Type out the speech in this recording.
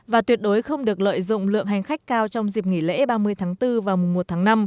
và tuyệt đối không được lợi dụng lượng hành khách cao trong dịp nghỉ lễ ba mươi tháng bốn và mùa một tháng năm